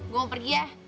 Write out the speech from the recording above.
gue mau pergi ya